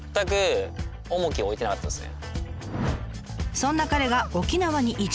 そんな彼が沖縄に移住！